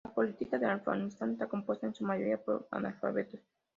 La policía de Afganistán está compuesta en su mayoría por analfabetos.